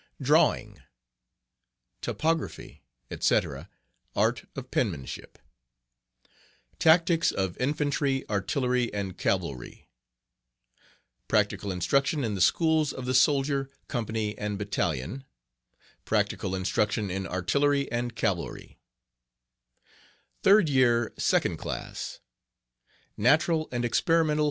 Drawing...................Topography, etc. Art of Penmanship. Tactics of Infantry,......Practical Instruction in the Artillery, and Cavalry Schools of the Soldier, Company, and Battalion. Practical Instruction in Artillery and Cavalry. Third Year Second Class. Natural and Experimental..